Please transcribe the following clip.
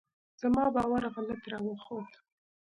زما باور غلط راوخوت.